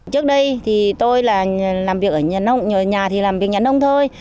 trước đây thì tôi là làm việc ở nhà nông nhà thì làm việc nhà nông thôi